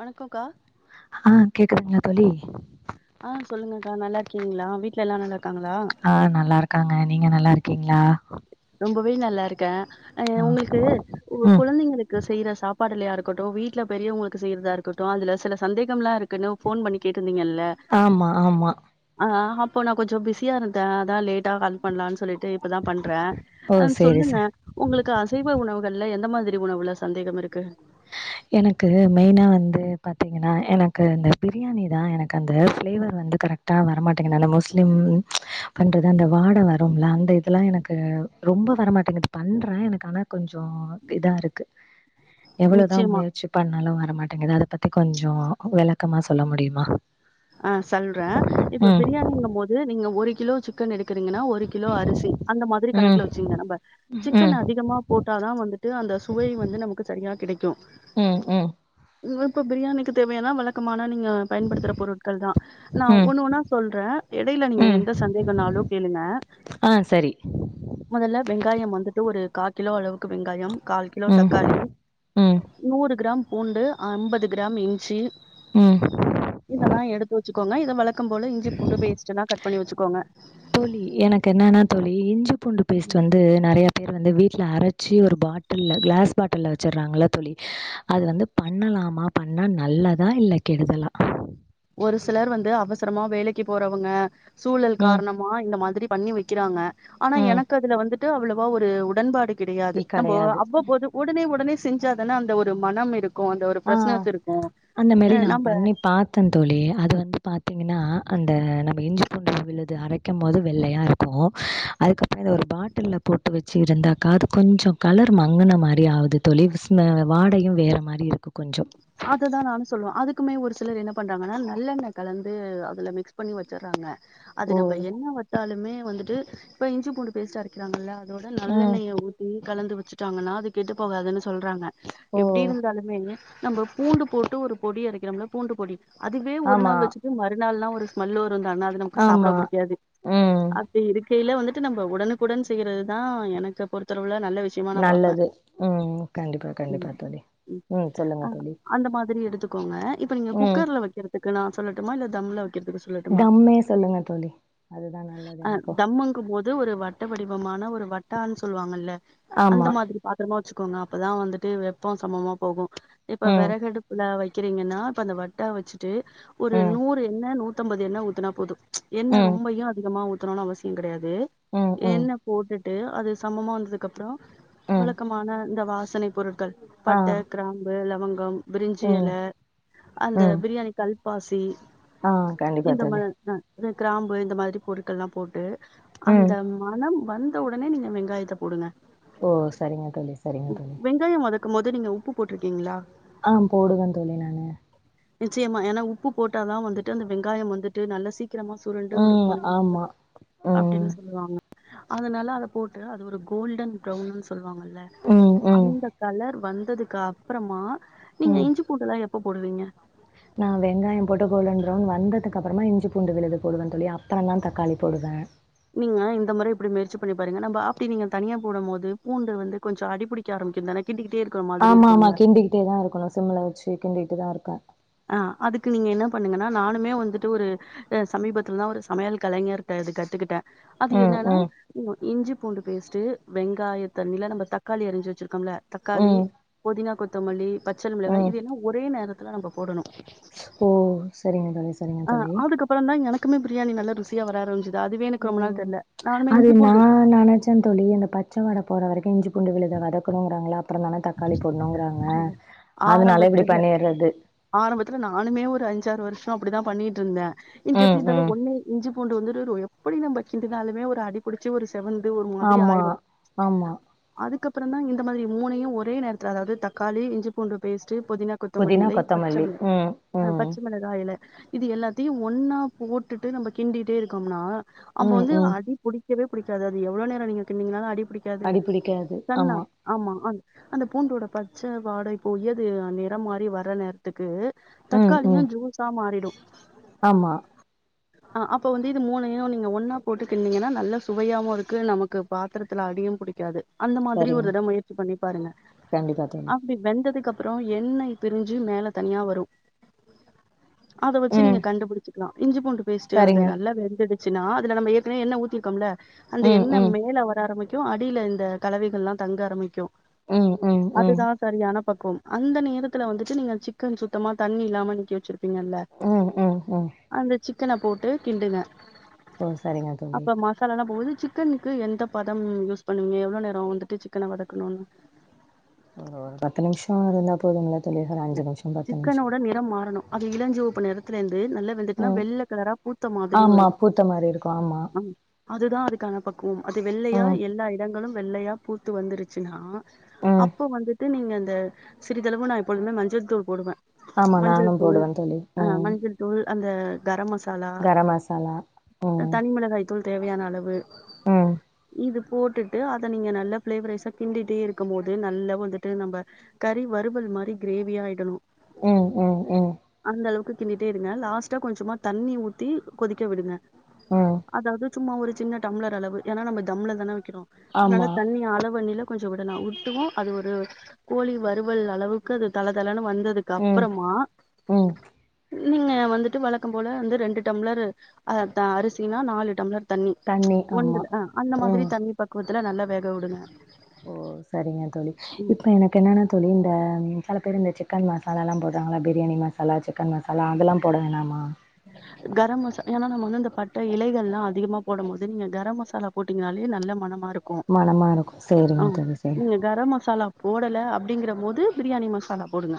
வணக்கோக்கா ஆ கேக்குதுங்க தோழி ஆ சொல்லுங்கக்கா நல்லாயிருக்கீங்களா வீட்டுல எல்லாம் நல்லா இருக் ஆ நல்லாருக்காங்க நீங்க நல்லா இருக்கீங்களா ரொம்பவே நல்லாயிருக்கே அ ஆ உங்களுக்கு ம் கொழந்தைங்களுக்கு செய்யற சாப்ப பாடலையா இருக்கட்டு வீட்டுல பெரியவங்களுக்கு செய்யறதா இருக்கட்டு அது சில சந்தேகம்லா இருக்குன்னு ஃபோன் பண்ணி கேட்டு சொன்னீங்கள்ள ஆமா ஆமா அ ஆ அ அப்போ நா கொஞ்சோ பிஸியா இருந்தே அதா லேட்டா கால் பன்னலானு சொல்லிட்டு இப்பதா பண்றா ஓ சேரி சொல்லுங்க சே உங்களுக்கு அசைவ உணவுகள்ல எந்த மாதிரி உணவுள சந்தேகம் இருக்கு எனக்கு மெயினா வந்து பாத்தீங்கன்னா எனக்கு அந்த பிரியாணி தா எனக்கு அந்த ப்ஃளேவர் வந்து கரெக்டா வரமாட்டேங்கிதுனால முஸ்லீம் பண்றது அந்த வாட வரும்ல அந்த இதெல்லா எனக்கு ரொம்ப வரமாட்டேங்குது பண்றே எனக்கு ஆனா கொஞ்சோ இதா இருக்கு எவ்வளவு விடா நிச்சயமா முயற்சி பண்ணாலு வரமட் ட்டேங்குது அதை பத்தி கொஞ்சோ வெளக்கமா சொல்ல முடியுமா ஆ சொல்றே இப்ப ம் பிரியாணிங்க போது நீங்க ஒரு கிலோ சிக் கன் எடுக்கிறீங்கன்னா ஒரு கிலோ அரிசி அந்த மாதிரி ம் கணக்குல வெச்சுக்குங்க நம்ப ம் சிக்கன் அதிகமா போட்டாதா வந்துட் ட்டு அந்த சுவை வந்து நமக்கு சரியா கிடைக் [unintelligible] உம் உம் இப்ப பிரியாணிக்கு தேவையானா வழக்கமான நீங்க பயன்படுத்தற பொருள் கள் தா நா ம் ஒண்ணு ஒன்னா சொல்றே எடையில நீங்க ம் எந்த சந்தேகனாலு கேளுங்க ஆ சரி மொதல்ல வெங்காயோ வந்துட்டு ஒரு காட் கிலோ அளவுக்கு வெங்காயம் கால் கிலோ ம் தக்காளி ம் நூறு கிராம் பூண்டு அம்பது கிராம் இஞ்சி ம் இதெல்லா எத் கொங்க இத வலத் கம் போல இஞ்சி புண்டு பேஸ்ட்டலா கட் பண்ணி வெச்சுக்கோங்க தோழி எனக்கு என்னானா தோழி இஞ்சி பூண்டு பேஸ்ட்டு வந்து நறையா பேர் வந்து வீட் ட்ல அரச்சு ஒரு பாட்டல்ல க்ளாஸ் பாட்டல்ல வெச்சர்றாங்கல்ல தோழி அது வந்து பண்ணலாமா பண்ணா நல்லதா இல்ல கெடுதலா ஒரு சிலர் வந்து அவசரமா வேலைக்கி போறவங்க சூழல் ம் கார்ணமா இந்த மாதிரி பண்ணி வெக்கிறாங்க ஆனா ம் எனக்கு அதுல வந்துட் டு அவ்வளவா ஒரு உடன்பாடு கிடையாது இ நம்போ கெடையாது அவ்வப்போது உடனே உடனே செஞ்சாதான அந்த ஒரு மணம் இரு ஆஹ் அந்த மாரி நா நம்ம பண்ணி பாத்தந் தோழி அது வந்து பாத்திங்கனா அந்த நம்ம இஞ்சி பூண்டு விழுது அரைக்கும் போது வெள்ளையா இருக்கு அதுக்கப்றோ அத ஒரு பாட்டில்ல போட்டு வெச்சு இருந்தாக்கா அது கொஞ்சோ கலர் மங்குன மாரி ஆகவுது தோழி ஸ் வாடையு வேற மாரி இருக்கு கொஞ்சோ அததா நானு சொல்வே அதுக்குமே மேல் ஒரு சிலர் என்ன பண்றாங்கன்னா நல்லெண்ண கலந்து அதுல மிக்ஸ் பண்ணி வெச்சர்றாங்க அது ஓ! நம்ப என்ன வெச்சாலுமே வந்துட்டு இப்ப இஞ்சி பூண்டு பேஸ்ட் அரைக்கிறாங்கில்ல இதோட ம். நல்லெண்ணெய ஊத்தி கலந்து வெச்சுட்டாங்கன்னா அது கெட்டுப் போகாதுனு சொல்றாங்க ஓ! எப்டி இருந்தாலுமே நம்ப பூண்டு போட்டு ஒரு பொடி அரைக்கிறோம்ல பூண்டு பொடி அதுவே ஒரு ஆமா. நாள் வெச்சுட்டு மறுநாள்லா ஸ்மெல்லு வ ருந்தான அது நமக்கு சாப்ட ஆமா. புடிக்காது ம். அப்டி இருக் கைல வந்துட்டு நம்ம உடனுக்குடன் செய்றதுதா எனக்கு பொறுத்தளவுல நல்ல விஷயமா நா பாப்பே நல்லது உம் கண்டிப்பா ம் கண்டிப்பா தோழி உம் ஆ சொல்லுங்க தோழி அந்த மாதிரி எடு த்துக்கோங்க இப்ப நீங்க ம். குக்கர்ல வெக்கிறத்துக் க்கு நா சொல்லட்டுமா இல்ல தம்ல வைக்கிறதுக்கு சொல்லட்டுமா தம்மே சொல்லுங்க தோழி அதுதா நல்லது எனக்கூ து ஒரு வட்ட வடிவமான ஒரு வட்டான் சொல்லுவாங்கல்ல அந்த ஆமா. மாதிரி பாத்ரமா வச்சுக்கோங்க அப்பதா வந்துட்டு வெப்போ சமமா போகு இப்ப ம். வெறகடுப்புல வச் வக்கிறீங்கண்ணா இப்ப அந்த வட்டா வச்சுட்டு ஒரு ம். நூறு என்ன நூ த்தம்பது எண்ண ஊத்துனா போது. எண்ண ம். ரொம்பையு அதிகமா உ த்தனூனு அவசியோ கெடயாது து ம் ம் எண்ண போட்டு ட்டு அது சமமா வந்ததுக்கப்றோ ம் வழக்கமான இந்த வா சனை பொருட்கள் ஆ பட்டக்கிராம் லவங்கம் பிரிஞ்சு ம் எல அந்த பிரியாணி கல் பாசி ஆஹ் கண்டிப்பா தோழி கிராம்பு இந்த மாதிரி பொருட்கள்ல்லா போட்டு ம் அந்த மனம் வந்த உடனே நீங்க வெங்காயத்த போடுங்க. ஓ சரிங்க தோழி சரிங்க தோழி இருக்கும்மோது நீங்க உப்பு போட்ருக்கீங்களா? ஆஹ் போடுவ தோழி நானு நிச்சியமா ஏன்னா உப்பு போட்டாதா வந்துட்டு அந்த வெங்காயம் வந்துட்டு நல்லா சீக் கிரமா சுருண்டு ஒரு ம் பொன்னிரம் ஆமா வரு ம் அப்டின்னு சொல்லுவாங்க. அதனால அத போட்டு அது ஒரு கோல்டன் ப்ரவுன் சொல்லுவாங்கல்ல ம் ம் அந்த கலர் வந் ததுக்கா அப்றமா நீங்க ம் இஞ்சி பூண்டுதா எப் ப்பொ போடுவீங்க? நா வெங்காயம் போட்டு கோல்டன் ப்ரவுன் வந்ததுக்கு அப்றமா இஞ்சி பூண்டு விழுது போடுவ தோழி. அப்புறந்தா தக்காளி போடுவ. நீங்க இந்த முற இப்டி முயற்சி பண்ணி பாருங்க நம்ப அப்டி நீங்க தனியா போடும் போது பூண்டு வந்து கொஞ்சோ அடிபுடிக்க ஆரம்பிக்குதான ஆமா ஆமா கிண்டிக்கிட்டேதா இருக்கணு சிம்முல வச்சு கிண்டி பதா இருக்கு. ஆஹ் அதுக்கு நீங்க என்ன பண்ணுங்கனா நானுமே வந்துட்டு ஒருஹ் சமீபத்துலதா ஒரு சமயல் கலைஞர்ட்ட இது கத்துக்கிட்ட அது ம் என்னனா ம் இஞ்சி பூண்டு பேஸ்ட்டு வெங்காயத் தண்ணில நம்ப தக்காளி அரிஞ்சு வெச்சிருப் கம்ல தக்காளி ம் புதினா கொத் த்தமல்லி பச்சள் மிளகாய் ம் இது எல்லா ஒரே நேரத் க்குலா நம்போப் போடனு ஓ செரிங்க தோழி செரிங்க தோழி க்குமே பிரியாணி நல்ல ருசியா வர ஆரம்பிச் ஓ அது நா நனச்ச தோழி இந்த பச்ச வாட போற வரைக்கு இஞ்சி பூண்டு விழுத வதக்குணுங்குறாங்களா அப் தொடங்னோன தக்காளி போட்ணுங்குறாங்க அதனால இப்பிடி ஆரம்பத்துல பண்ணியிட்றது ஆரம்பத்துல நானுமே ஒரு அஞ்சாறு வருஷோ அப்புடிதா பண்ணிட்ருந்தே இங்கெப்டி ம், இருந்தாலு ம். ஒன்னு இஞ்சி பூண்டு வந்துரு [unintelligible] ப்புடி நம்ப கிண்டுனாலுமே ஒரு அடிபுடிச்சு ஒரு ஸ் செவந்து ஒரு மாதிரி ஆமா, ஆயிடு ஆமா. அதுக்கப் ப்புறந்தா இந்த மாதிரி மூனையு ஒர் ஒரே நேரத்துல அதாவது தக்காளி இஞ்சி பூண்டு பேஸ் ட்டு புதினா கொத்தமல்லி புதினா, இலை பச்ச கொத்தமல்லி. மிள ம், அ ம். பச்ச மிளகாய் இல இது எல்லாத்தையு ஒன்னா போட்டுட்டு நம்ப கிண்டிட்டே இருக்கோம்னா அம்போ ம், வந்து ம். அடி புடி க்கவே பிடிக்காது அது எவ்ளோ நேரோ நீங்க கிண்ட்னிங்னாலு அடி பிடிக்காது அடிபிடிக்காது. சன்னா ஆமா. ஆமா ஆன் அந்த பூண்டோட பச்ச வாடை போயி அது அ நிற மாறி வர நேர்த்துக்கு ம், தக்காளிங்க ம். ஜூஸா மாறிடு ஆமா ஆ அப்போ வந்து இது மூனையு நீங்க ஒன்னா போட்டு கிண்ட்னீங்கன்னா நல்லா சுவையாவு இருக்கு நமக்கு பாத்துரத்துல அடியு புடிக்காது அந்த மாதிரி ஒரு சரிங்க. தட முயற்சி பண்ணி பாருங்க கண்டிப்பா தோழி. அப்டி வென் இந்ததுக்கப்புறோ எண்ணெய் திரிஞ்சு மேல தனியா வரு அத வச்சு ம். நீங்க கண்டு புடுச்சு லா இஞ்சி பூண்டு பேஸ்ட்டு அந்த சரிங்க. நல்லா வெந்துடு சின்னா அதுல நம்ப ஏற்க்கனே எண்ணெ ஊத்திருக்கோம்ல அந்த ம், எண்ணெ ம். மேல வர ஆரம்பிக் கியோ அடியில இந்த கலவைகள்லா தங்க ஆரம்மிக்கியு ம் ம் ம் பக்கோம் அந்த நேரத்துல வந்துட்டு நீங்க சிக்கன் சுத்தமா தண்ணி இல்லாம நிக்க வச்சிரு பிங்கல்ல ம், ம், ம். அது சிக்கனப் போட்டு கிண்டுங்க ஓ! சரிங்க தோழி. அப்ப மசாலானா போவுது சிக்கனுக்கு எந்த பதம் யூஸ் பண்ணுவீங்க எவ்ளோ நேரோ வந்துட்டு சிக்கன வதக்கணுனு ஒகோ பத்து நிமிஷ இருந்தா போதுங்ளா தோழி அஞ்சு நிமிஷோ பத்து நிமிஷோ சிக்கனோட நிறம் மாறணு அது இளஞ்சிவப்பு நெறத்துலந் து நல்லா வெந்துட்னா ம். வெள்ள கலரா பூத்த மாதிரி ஆமா வரு பூத்த மாரி இருக்கு ஆமா அங் அதுதா அதுக்கான பக் கூம் அது வெள்ளையா ம் எல்லா இடங்களு வெள்ளையா பூத்து வந்துருச்சுன்னா ம் அப்ப வந்துட்டு நீங்க தே சிறிதளவு நா எப்போதுமே மஞ்சள்தூள் போடுவே ஆமா நானு மஞ்சள் தூள் போடுவே தோழி அ ம் மஞ்சள் தூள் அந்த கரம் மச் கரம் மசாலா ம் மிளகாய் தூள் தேவையான அளவு ம் இது போட்டுட்டு அத நீங்க நல்லா பிளேவரைஸா கிண்டிட்டே இருக்க போது நல்ல வந்துட்டு நம்ப கறி வறுவல் மாரி கிரேவியா ஆயிடனு ம் ம் ம் அந்த அளவுக்கு கிண்டிட்டே இருங்க லாஸ்ட்டா கொஞ்சமா தண்ணி ஊத்தி கொதிக்க விடுங்க ம் அதாவது சும்மா ஒரு சின்ன டம்ளர் அளவு ஏன்னா நம்ம தம்ல தான கினோ அதனால ஆமா தண்ணி அளவு நிலம் கொஞ்ச விடணு வுட்டுவு அது ஒரு கோழி வருவல் அளவுக்கு அது தளதளன்னு வந் வந்ததுக் ம் அப்புறமா ம் நீங்க வந்துட்டு வளக்க போல வந்து ரெண்டு டம்ளரு அ த அரிசினா நாலு டம்ளர் தண்ணி ப்ச் ஒன்றுல அ அந்த மாதிரி ம் தண்ணி பக்குவத் த்தல நல்ல வேக விடுங்க ஓ சரிங்க தோழி இப்ப எனக் என்னனா தோழி இந்த பல பேர் இந்த சிக்கன் மசாலாலாம் போட்ராங்களா பிரியாணி மசாலா சிக்கன் மசாலா அதலாம் போட வேணாம்மா கரம் மசா ஏனா நம்ம வந்து இந்த பட்டை இலைகள்லா அதிகமா போடும் போது நீங்க கரம் மசாலா போட்டீங்னாலே நல்ல மனம்மா மனமாருக்கு சேரிங் தோழி சேரி தல்லே அப்டீங்கிற போது பிரியாணி மசாலா போடுங்க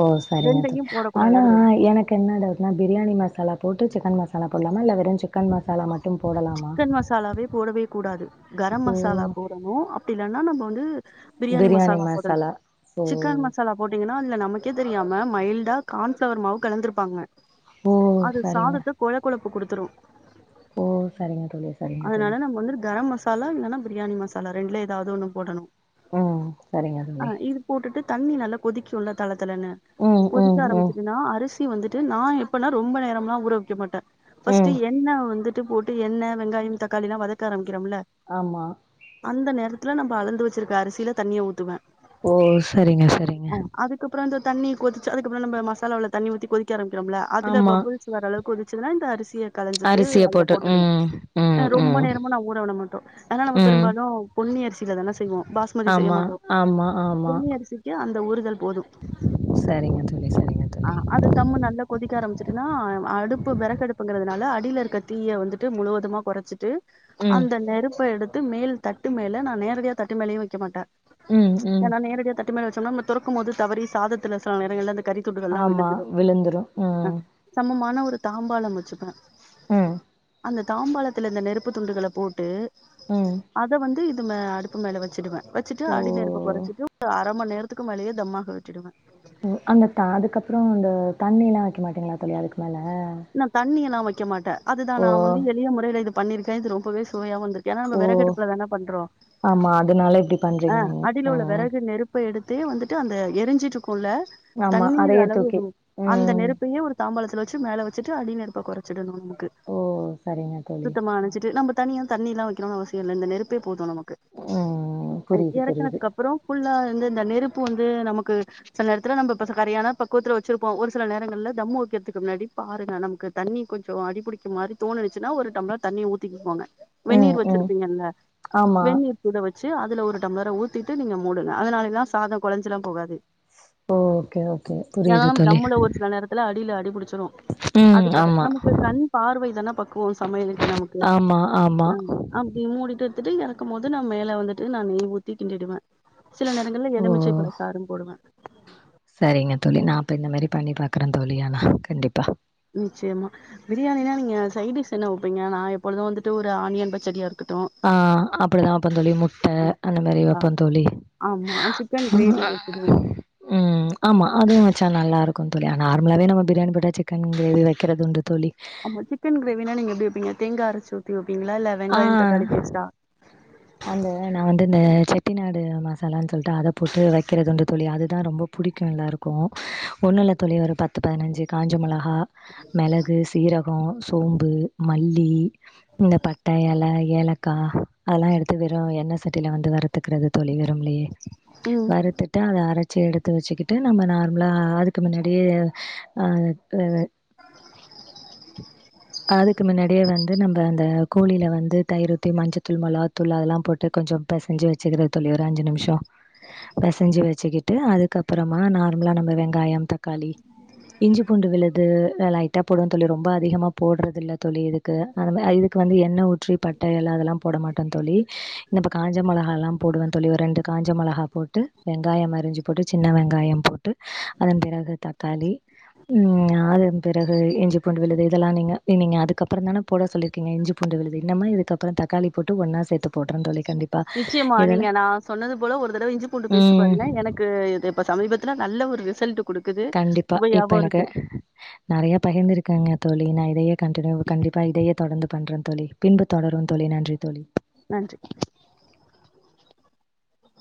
ஓ சரிங்க தோழி ரெண்டையு போடக்கூடாது ஆனா அது ரொம் எனக்கு என்ன டவுட்னா பிரியாணி மசாலா போட்டு சிக்கன் மசாலா போட்லாமா இல வெரும் சிக்கன் மசாலாவே போடவே கூடாது கரம் ஓ! மசாலா போடனு அப் இல்லனா நம்ம வந்து பிரியாணி மசாலா போடனும் ஓ! சிக்கன் மசாலா போட்டிங்கனா நமக்கே தெரியாமெ மைல்டா கான்ஃபிளவர் மாவு கலந்திருப்பாங்க ஓ! அது சரிங்க. சாதத்த கொழ கொழப்பு குடுத் துரு ஓ சரிங்க தோழி, சரிங்க தோழி. அதனால நம்ம வந்துடு கரம் மஸா சாலா இல்லனா பிரியாணி மசாலா ரெண்டுல ஏதாவது ஒன்னு போடணு உம் சரிங்க ஆ தோழி இது போட்டுட்டு தண்ணி நல்லா கொதிக்கும்ல தளத் தளன்னு ம், கொதிக்க ம், ம், ஆரம்பிச்சதுனா அரிசி டீ வந்துட்டு நா எப்பனா ரொம்போ நேரம்லா ஊரவக்க மாட்டே ஃபர்ஸ்ட்டு ம். எண்ணெ வந்து டு போட்டு எண்ணெ வெங்காயம் தக்காளிலா வதக்க ஆரம் கிரோம்ல ஆமா. அந்தநேரத் ல நம்ம அளந்து வச்சிருக்க அரிசில தண்ணிய ஊத்துவ ஓ சரிங்க சரிங்க அதுக்கப்புறோ இந்த தண்ணி கொதிச்சி அதுக்கப்பறோ நம்ம மசாலாவுல தண்ணி ஊத்தி கொதிக்கரம் க்ரம்லெ அதுல ஆமா. பபூள்ஸ் வர அளவுக்கு கொதிப் இதுல இந்த அரிசிய அரிசிய போட்டு உம் ஹ் ரொம்போ நேரமு நா ஊர உட மாட்டோ ஏனா நாம ம். பெரும்பாலு பொன்னி அரிசில தான செய்வோ பாஸ்மதி செய்ய ஆமா, மாட்டோ ஆமா, ஆமா. பொன்னி அரிசிக்கு அந்த ஒரு போது சரிங்க தோழி, சரிங்க தோழி. ஆஹ் அது கம்முன் நல்லா கொதிக்க ஆரம்பி சிட்டுனா அடுப்பு வெறகடுப்புங்கிறதுனாலே அடில இருக்கத் தீய வந்துட்டு முழுவது த்தமா கொறச்சுட்டு ம், அந்த நெருப்ப எடுத் மேல் தட்டு மேலே நா நேரடியா தட்டு மேலயு வைக்க மாட்டே ம், ம். என்ன நேரடியாத்தட் மே வச்சோ நா தொறக்கும் போது தவறி சாதத்தில் சில நேரங்கள்ல அந்த கறித்துண்டுகல்லா அ ஆமா விழுந்துடு விழுந்துரும். ம். சமமான ஒ து தாம்பாளம் வச்சுப்பே உம் அந்த தாம்பாளத்துல இந்த நெருப்பு துண்டுகள போட்டு ம். அத வந்து இ மே அடுப்பு மேலே வச்சிடுவே வச்சுட்டு ஓ! அடி நெருப்பு கொறைச்சுட்டு [unintelligible] அர மண் நேரத்துக்கு மேலேயே தம்மாக விட்டுடுவே ம் அந்த தா அதுக்கப்பற அந்த தண்ணில்லா வைக்க மாட்டீங்களா தோழி அதுக்கு மேல என்ன தண்ணில்லா வச் வைக்க மாட்டே அதுதா ஓ! நா வந்து எளிய முறையில இதுப் பண்ணிருக்கே இது ரொம்பவே சுவயா வந்து ஏன்னா நம்ம ஓ! வெரகு அடுப்புல தான பண்றோ ஆமா. அதனால இப்டி பண்றீங்க ஆஹ் நீங்க. அடியிலவுள்ள ம். வெறகு நெருப்பு எடுத்தே வந்துட்டு அந்த எரிஞ்சுட்டு இருக்கு இருக்குமுள்ள ஆமா. தண்ணீர் அதையே அளவு தூக்கி அந்த ம். நெருப்பையே ஒரு தாம்பலத்தில வச் மேலே வச்சுட்டு அடி நெடுப்ப கொறச்சிடனு ஓ! சரிங்க தோழி. சுத்தமா ஆ. அனச்சுட்டு நம்ம தனிய தண்ணில்லா வைக்கணும்னு அவசியமில்ல இந்த நெருப்பே போதும் நமக்கு ம். அ புரியுது, புரியுது. எறக்குனத்துக்கு அப்புற புள்ளா இருந்து இந்த நெருப்பு ப்பு வந்து நமக்கு சில நேரத்துல நம்ம இப்ப சரியையான பக்குவத்துல வச்சிருப்போ ஒரு சில நேரங்கள்ல தம் ஊக்கறிறதுக்கு முன்னாடி பாருங்க நமக்கு தண்ணி கொஞ்ச அடிபுடிக்க மாரி தோணுரிச்சுன்னா ஒரு டம்ளர் தண்ணி ஊத்திக்குப்போங்க ம், வெந்நீர் ம். வச்சிருப்பீங்கல்ல ஆமா. வெநீர் கூட வச்சு [unintelligible] அதுல ஒரு டம்ளர ஊத்திட்டு நீங்க மூடுங்க அதனாலதா சாத கொலஞ்சிற போகாது ஓ ஓகே ஓகே புரியது தோழி ட்டிபுடிச் ம். அதுக்காக ஆமா. நமக்கு கண் பார்வை தான பக்குவோ சமையலுக்கு நமக்கு ஆமா, ஆமா. ஹ அப்டி மூடிட்டு ட்டு எறக்கும் போது நா மேல வந்து ட்டு நா நெய் ஊத்தி கிண்டிடுவே சில நேரங்கள்ல எலுமிச்சை பலசாரும் போடுவ செரிங்க தோழி நா அப்ப இந்த மாரி பண்ணி பாக்குறேன் தோழி ஆனா கண்டிப்பா நிச்சியமா பிரியாணினா நீங்க சைட் டிஷ் என்ன வெப்பீங்க நா எப்பொழுது வந்துட்டு ஒரு ஆனியன் பச்சடியா இருக் ஆஹ் அப்படிதா வெப்பந் தோழி முட்ட அந்த மாரி ஆ வெப்பந் தோழி ஆமா சிக்கன் கிரேவி வச்சுடுவோ உம் ஆமா அதுவு வெச்சா நல்லா இருக் குத் தோழி நார்மலாவே நம்ம பிரியாணி போட்டா சிக்கன் கிரேவி வெக்கிறது உண்டு தோழி ஆமா சிக்கன் கிரேவினா நீங்க எப்படி வெப்பீங்க தேங்கா அரச்சு ஊத்தி வெப்பிங் பீங்ளா இல்ல ஆ வெங்காயம் தக்காளி பேஸ்ட்டா அந்த நா வந்து இந்த செட்டிநாடு மசாலான்னு சொல்ட்டு அத போட்டு வெக்கிறதுண்டு தோழி அதுதா ரொம்ப புடிக்கு எல்லாருக்கு ஒன்னுல்ல தோழி ஒரு பத்து பதினஞ்சு காஞ்ச மொள கா மிளகு சீரகோ அப்புறோ சோம்பு மல்லி இந்த பட்ட இலை ஏலக்கா அதெல்லா எடுத்து வெரு எண்ணெ சட்டில வந்து வருத்துக்கிறது தோழி டம்லயே ம் வறுத்துட்டு அத அர ச்சு எடுத்து வெச்சுக்கிட்டு நம்ம நார்மலா அதுக்கு முன்னாடியே ஆஹ் இஹ் அதுக்கு மின்னாடியே வந்து இது நம்ம அந்த கோழில வந்து தயிரூத்தி மஞ்சத்தூள் மோளகா தூள் அதெல்லாம் போட்டு கொஞ்சோ பெசஞ்சு வெச்சக்கிற தோழி ஒரு அஞ்சு நிமிஷோ பெசஞ்சு வெச்சுகி ட்டு அதுக்கப்புறமா நார்மலா நம்ம வெங்காயம் தக்காளி இஞ்சி பூண்டு விழுது லைட்டா போடுவ தோழி ரொம்ப அதிகமா போடுறது இல்ல தோழி இதுக்கு அ இது வந்து எண்ணெய ஊற்றி பட்ட எல அதெல்லாம் போட மாட் டந் தோழி இந்த ப காஞ்ச மொளகாலாம் போடுவன் தோழி ஒரு ரெண்டு காஞ்ச மொளகா போட்டு வெங்காயம் அருஞ்சு போட்டு சின்ன வெங்காயம் போட்டு அதன் பிறகு தக்காளி ம் அதன் பிறகு இஞ்சி பூண்டு விழுது இதெல்லா நீங்க நீங்க அதுக்கப்பறந்தான போட சொல்லிருக்கீங்க இஞ்சி பூண்டு விழுது இன்னமா இதுக்கப்பறோ தக்காளி போட்டு ஒன்னா சேத்து போட்றந் தோழி கண்டிப்பா நிச்சயமா இதெல்லா நீங்க நா சொன்னது போல ஒரு தடவ இஞ்சி பூண்டு பேஸ்ட்டு ம் பாருங்க எனக்கு இது சமீபத்துல நல்ல ஒரு ரிசல்ட் குடுக்குது கண்டிப்பா இப்ப சுவையாவு எனக்கு இருக்கு நெறய பகிர்ந்துருக்காங்க தோழி நா இதயே கண்டியூ கண்டிப்பா இதயத் தொடர்ந்து பண்றந் தோழி பின்பு தொடரும் தோழி நன்றி தோழி நன்றி